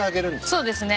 そうですね。